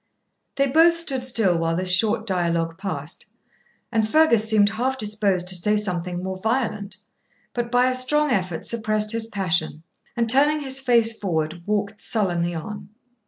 They both stood still while this short dialogue passed, and Fergus seemed half disposed to say something more violent, but, by a strong effort, suppressed his passion, and, turning his face forward, walked sullenly on.